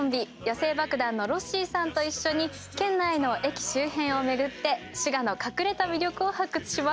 野性爆弾のロッシーさんと一緒に県内の駅周辺を巡って滋賀の隠れた魅力を発掘します。